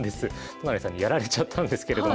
都成さんにやられちゃったんですけれども。